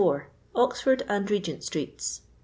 Oxford and Begent BtreeU ....